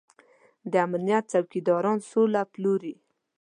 د امنيت څوکيداران سوله پلوري.